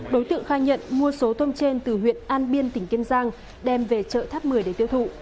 đối tượng khai nhận mua số tôm trên từ huyện an biên tỉnh kiên giang đem về chợ tháp một mươi để tiêu thụ